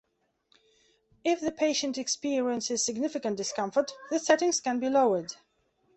If the patient experiences significant discomfort, the settings can be lowered.